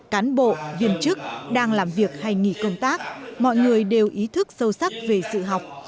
cán bộ viên chức đang làm việc hay nghỉ công tác mọi người đều ý thức sâu sắc về sự học